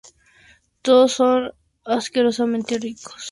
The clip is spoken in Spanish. todos son asquerosamente ricos